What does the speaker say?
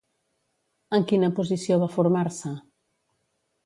En quina posició va formar-se?